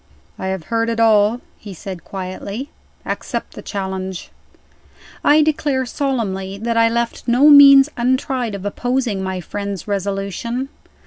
"I have heard it all," he said, quietly. "Accept the challenge." I declare solemnly that I left no means untried of opposing my friend's resolution.